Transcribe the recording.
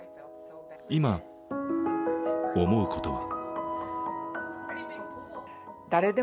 今、思うことは。